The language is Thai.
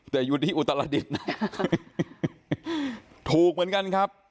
แต่อยู่ที่อุตรดิษฐ์ถูกเหมือนกันครับ